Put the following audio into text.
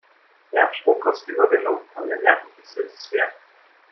Der Absprung kostet Überwindung, aber der Nervenkitzel ist es wert.